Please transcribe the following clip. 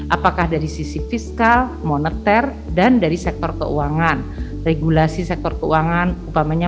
apakah dari sisi fiskal moneter dan dari sektor keuangan regulasi sektor keuangan upamanya